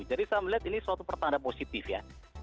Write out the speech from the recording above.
jadi saya melihat ini suatu pertanda positif ya